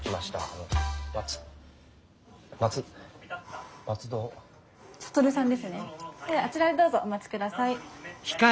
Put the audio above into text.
あちらへどうぞお待ちください。